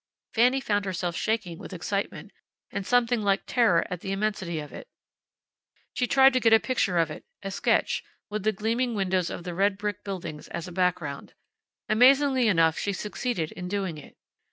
Fanny found herself shaking with excitement, and something like terror at the immensity of it. She tried to get a picture of it, a sketch, with the gleaming windows of the red brick buildings as a background. Amazingly enough, she succeeded in doing it.